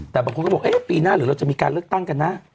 แต่บางคนก็บอกปีหน้าหรือเราจะมีการเลือกตั้งกันนะ